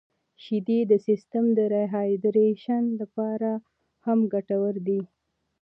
• شیدې د سیستم د ریهایدریشن لپاره هم ګټورې دي.